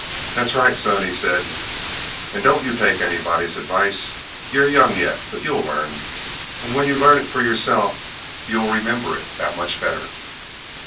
"That's right, son," he said; "don't you take anybody's advice. You're young yet, but you'll learn. And when you learn it for yourself, you'll remember it that much better."